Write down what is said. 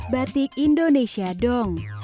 batik indonesia dong